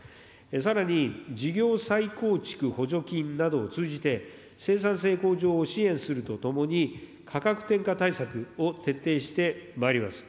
さらに、事業再構築補助金などを通じて、生産性向上を支援するとともに、価格転嫁対策を徹底してまいります。